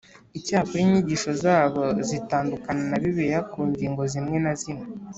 icyakora, inyigisho zabo zitandukana na bibiliya ku ngingo zimwe na zimwe,